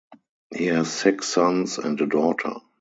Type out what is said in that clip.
He has six sons and a daughter.